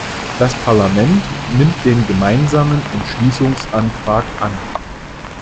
Das Parlament nimmt den Gemeinsamen Entschließungsantrag an.